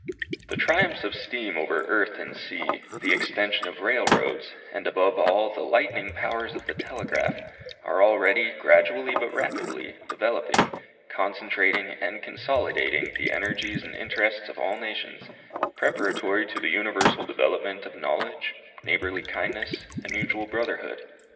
The triumphs of steam over earth and sea, the extension of railroads, and, above all, the lightning powers of the telegraph, are already, gradually but rapidly, developing, concentrating and consolidating the energies and interests of all nations, preparatory to the universal development of knowledge, neighbourly kindness, and mutual brotherhood.